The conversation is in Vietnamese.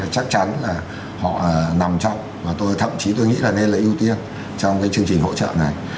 chắc chắn là họ nằm trong và tôi thậm chí tôi nghĩ là nên là ưu tiên trong cái chương trình hỗ trợ này